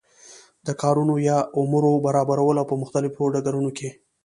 د کارونو یا امورو برابرول او په مختلفو ډګرونو کی